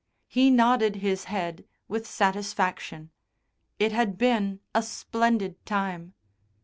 He nodded his head with satisfaction. It had been a splendid time.